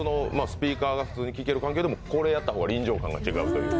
スピーカーが普通に聴ける環境でもこれやった方が臨場感が違うという？